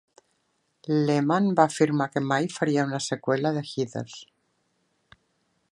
Lehmann va afirmar que mai faria una seqüela de "Heathers".